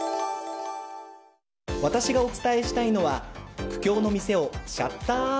私がお伝えしたいのは苦境の店をシャッター